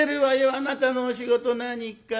あなたのお仕事何か。